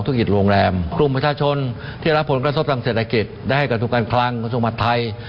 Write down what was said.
ที่จะรับผลกระทบทางเศรษฐกิจได้ให้กระทุกรรมการคลังกระทุกมัติไทย